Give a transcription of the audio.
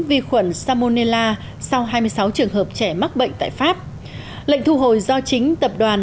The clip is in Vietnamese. vi khuẩn salmonella sau hai mươi sáu trường hợp trẻ mắc bệnh tại pháp lệnh thu hồi do chính tập đoàn